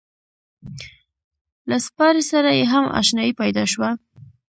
له سپارې سره یې هم اشنایي پیدا شوه.